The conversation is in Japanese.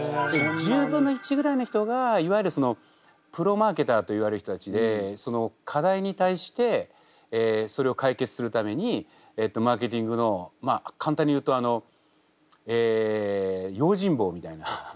１０分の１ぐらいの人がいわゆるそのプロマーケターといわれる人たちでその課題に対してそれを解決するためにマーケティングのまあ簡単に言うとあのえ用心棒みたいな。